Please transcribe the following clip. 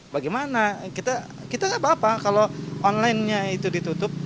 bagaimana kita gak apa apa kalau onlinenya itu ditutup